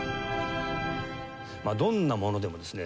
どんなものでもですね